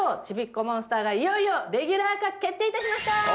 ちびっこモンスター」がいよいよレギュラー化決定いたしました！